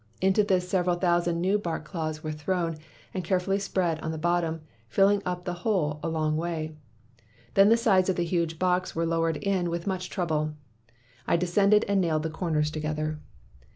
Into this several thousand new bark cloths were thrown and carefully spread on the bottom filling up the hole a long way. Then the sides of the huge box were lowered in with much trouble. I descended and nailed the corners together.